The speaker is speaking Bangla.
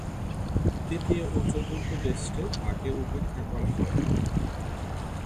তৃতীয় ও চতুর্থ টেস্টে তাঁকে উপেক্ষা করা হয়।